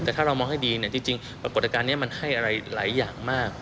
แต่ถ้าเรามองให้ดีจริงปรากฏการณ์นี้มันให้อะไรหลายอย่างมาก